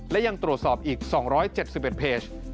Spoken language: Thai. และยังตรวจสอบอีก๒๗๑เพจ